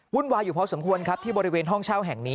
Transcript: วายอยู่พอสมควรครับที่บริเวณห้องเช่าแห่งนี้